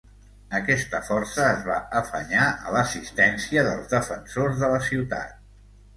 Aquesta força es va afanyar a l'assistència dels defensors de la ciutat.